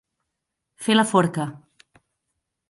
Fer la forca.